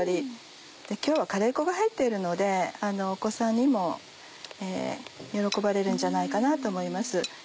今日はカレー粉が入っているのでお子さんにも喜ばれるんじゃないかなと思います。